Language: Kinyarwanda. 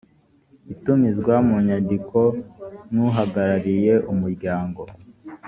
itumizwa mu nyandiko n uhagarariye umuryango